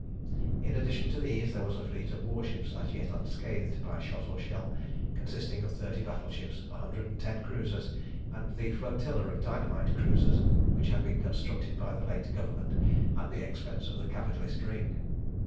In addition to these there was a fleet of warships as yet unscathed by shot or shell, consisting of thirty battleships, a hundred and ten cruisers, and the flotilla of dynamite cruisers which had been constructed by the late Government at the expense of the capitalist Ring.